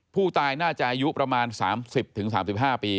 ผู้ตายน่าจะอายุประมาณ๓๐๓๕ปี